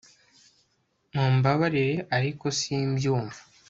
Mumbabarire ariko simbyumva